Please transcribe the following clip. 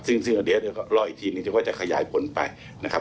ด้วยก็ลองอย่างที่ด้วยก็จะทำให้ผลไปนะครับ